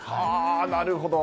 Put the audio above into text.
なるほど。